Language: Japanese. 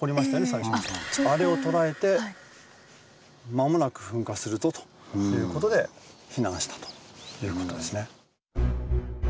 最初のあれを捉えて間もなく噴火するぞという事で避難したという事ですね。